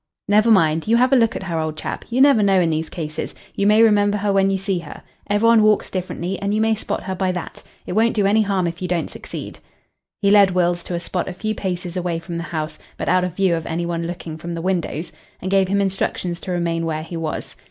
"Never mind. You have a look at her, old chap. You never know in these cases. You may remember her when you see her. Every one walks differently, and you may spot her by that. It won't do any harm if you don't succeed." He led Wills to a spot a few paces away from the house, but out of view of any one looking from the windows, and gave him instructions to remain where he was.